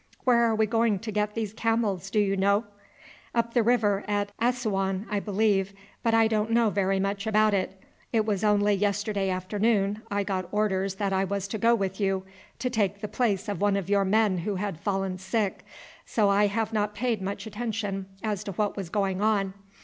"Where are we going to get these camels, do you know?" "Up the river at Assouan, I believe; but I don't know very much about it. It was only yesterday afternoon I got orders that I was to go with you, to take the place of one of your men who had fallen sick, so I have not paid much attention as to what was going on.